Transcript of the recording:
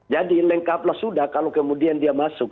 jadi lengkaplah sudah kalau kemudian dia masuk